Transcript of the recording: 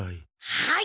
はい！